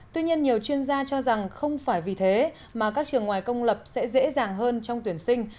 tuy nhiên nhiều chuyên gia cho rằng không phải vì thế mà các trường ngoài công lập sẽ dễ dàng hơn trong tuyển sinh